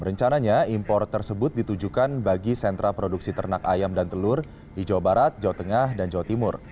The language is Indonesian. rencananya impor tersebut ditujukan bagi sentra produksi ternak ayam dan telur di jawa barat jawa tengah dan jawa timur